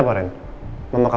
mungkin liat ke